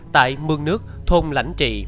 tại mương nước thôn lãnh trị